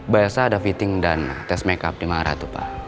pak elsa ada fitting dan tes makeup di maharatu pak